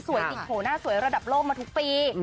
ติดโผล่หน้าสวยระดับโลกมาทุกปี